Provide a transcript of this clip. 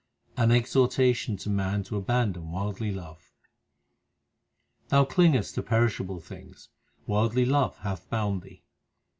1 An exhortation to man to abandon worldly love : Thou clingest to perishable things ; worldly love hath bound thee.